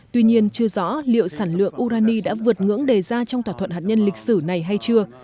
tuy nhiên chưa rõ liệu sản lượng urani đã vượt ngưỡng đề ra trong thỏa thuận hạt nhân lịch sử này hay chưa